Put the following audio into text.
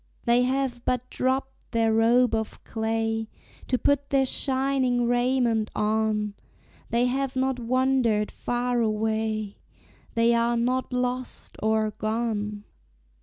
They have but dropped their robe of clay To put their shining raiment on; They have not wandered far away They are not "lost" or "gone."